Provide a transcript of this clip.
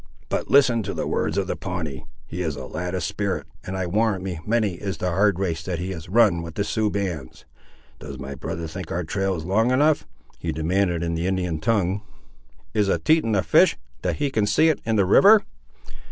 But listen to the words of the Pawnee; he is a lad of spirit, and I warrant me many is the hard race that he has run with the Sioux bands. Does my brother think our trail is long enough?" he demanded in the Indian tongue. "Is a Teton a fish, that he can see it in the river?"